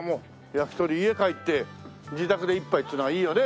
焼き鳥家帰って自宅で一杯っていうのはいいよね。